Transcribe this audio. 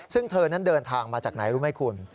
ซึ่งเธอนั้นเดินทางมาจากไหนรู้ไหมคุณ